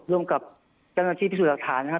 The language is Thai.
ร่วมกับการรับที่ที่สูตรหลักฐานนะฮะ